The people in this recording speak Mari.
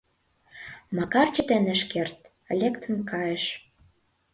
Макар чытен ыш керт, лектын кайыш.